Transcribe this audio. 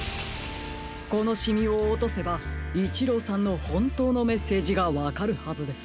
このシミをおとせばイチローさんのほんとうのメッセージがわかるはずです。